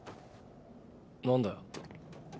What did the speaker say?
何だよ。